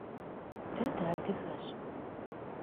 De dıadıgeş.